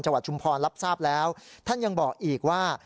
ชุมพรรับทราบแล้วท่านยังบอกอีกว่า